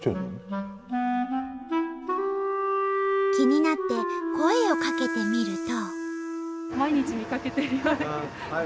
気になって声をかけてみると。